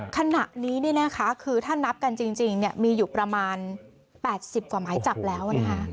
ขณะนี้เนี่ยค่ะคือถ้านับกันจริงเนี่ยมีอยู่ประมาณ๘๐กว่าหมายจับแล้วนะฮะ